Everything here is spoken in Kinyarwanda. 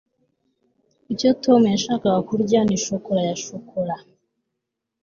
icyo tom yashakaga kurya ni shokora ya shokora